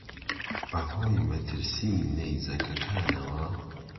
بە هۆی مەترسیی نەیزەکەکانەوە